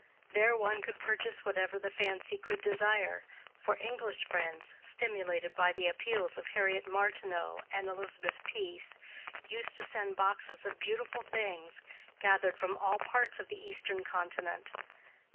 There one could purchase whatever the fancy could desire, for English friends, stimulated by the appeals of Harriet Martineau and Elizabeth Pease, used to send boxes of beautiful things, gathered from all parts of the Eastern Continent.